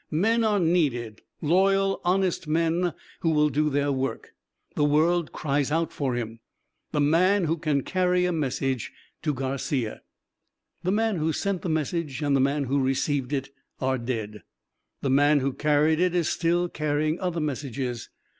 Men are needed loyal, honest men who will do their work. "The world cries out for him the man who can carry a message to Garcia." The man who sent the message and the man who received it are dead. The man who carried it is still carrying other messages.